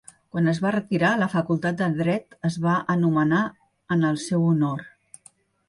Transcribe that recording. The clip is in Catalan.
Quan es va retirar, la Facultat de Dret es va anomenar en el seu honor.